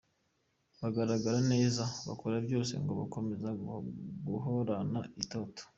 bagaragara neza, bakora byose ngo bakomeze guhorana itoto.